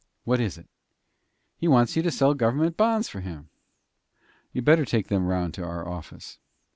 "What is it?" "He wants you to sell gov'ment bonds for him." "You'd better take them round to our office."